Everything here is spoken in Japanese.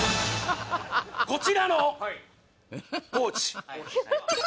こちらのポーチ